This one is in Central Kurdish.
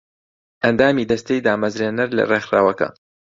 ئەندامی دەستەی دامەزرێنەر لە ڕێکخراوەکە